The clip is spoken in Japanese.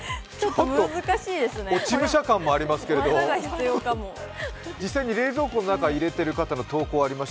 落ち武者感もありますけど、実際に冷蔵庫の中に入れている方の投稿があります。